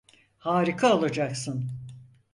Harika olacaksın.